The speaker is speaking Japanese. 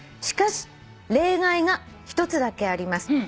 「しかし例外が１つだけあります」